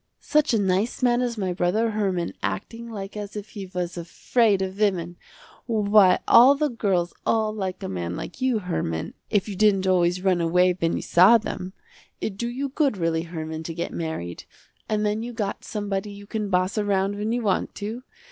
"Such a nice man as my brother Herman acting like as if he was afraid of women. Why the girls all like a man like you Herman, if you didn't always run away when you saw them. It do you good really Herman to get married, and then you got somebody you can boss around when you want to.